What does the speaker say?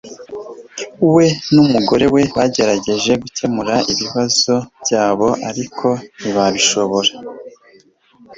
We n'umugore we bagerageje gukemura ibibazo byabo, ariko ntibabishobora.